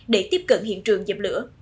để tiếp cận hiện trường dập lửa